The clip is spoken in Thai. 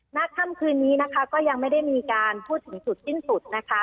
ณค่ำคืนนี้นะคะก็ยังไม่ได้มีการพูดถึงจุดสิ้นสุดนะคะ